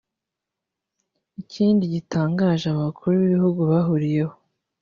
Ikindi gitangaje aba bakuru b’ibihugu bahuriyeho